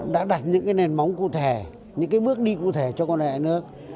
đã đặt những cái nền móng cụ thể những cái bước đi cụ thể cho quan hệ hai nước